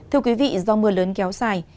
thưa quý vị do mưa lớn kéo dài